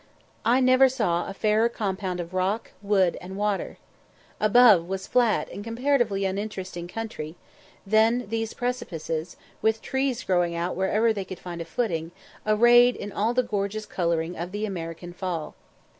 I never saw a fairer compound of rock, wood, and water. Above was flat and comparatively uninteresting country; then these precipices, with trees growing out wherever they could find a footing, arrayed in all the gorgeous colouring of the American fall.